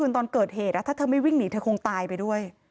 เธอคงตายไปด้วย